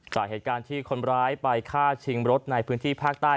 จากเหตุการณ์ที่คนร้ายไปฆ่าชิงรถในพื้นที่ภาคใต้